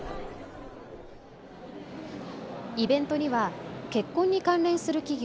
イベントには結婚に関連する企業